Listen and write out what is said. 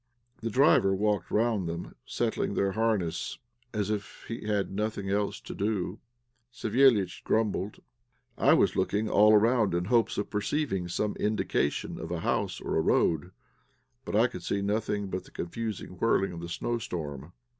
The driver walked round them, settling their harness, as if he had nothing else to do. Savéliitch grumbled. I was looking all round in hopes of perceiving some indication of a house or a road; but I could not see anything but the confused whirling of the snowstorm.